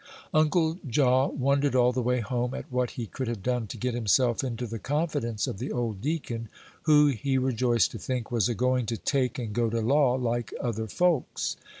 Uncle Jaw wondered all the way home at what he could have done to get himself into the confidence of the old deacon, who, he rejoiced to think, was a going to "take" and go to law like other folks.